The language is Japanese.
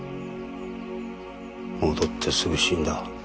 戻ってすぐ死んだ。